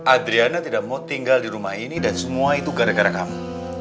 adriana tidak mau tinggal di rumah ini dan semua itu gara gara kamu